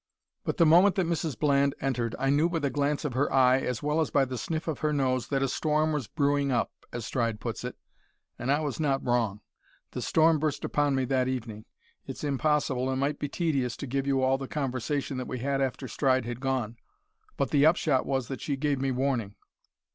"But the moment that Mrs Bland entered I knew by the glance of her eye, as well as by the sniff of her nose, that a storm was brewing up as Stride puts it and I was not wrong. The storm burst upon me that evening. It's impossible, and might be tedious, to give you all the conversation that we had after Stride had gone, but the upshot was that she gave me warning.